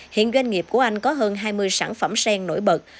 hiện doanh nghiệp của anh có hơn hai mươi sản phẩm sen nổi bật